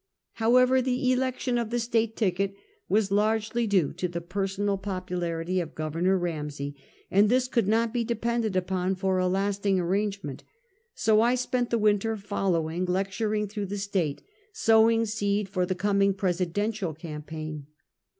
However, the election of the State ticket was largely due to the personal popularity of Gov. Ramsey, and this could not be depended upon for a lasting arrange ment, so I SDent the winter following lecturing through 198 Half a Centuey. the State, sowing seed for the coming presidential campaign.